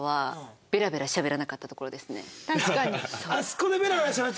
確かに！